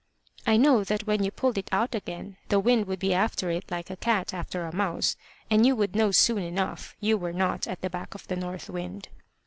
I know that when you pulled it out again the wind would be after it like a cat after a mouse, and you would know soon enough you were not at the back of the north wind.